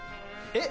えっ？